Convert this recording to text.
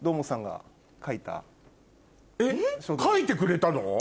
書いてくれたの？